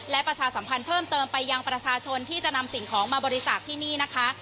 และประชาสัมพันธ์เพิ่มเติมไปยังประชาชนที่จะนำสิ่งของมาบริจาคที่นี่นะคะ